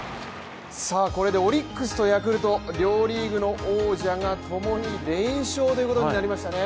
オリックスとヤクルト両リーグの王者がともに連勝ということになりましたね